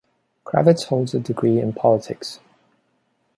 Kravitz holds a degree in Politics.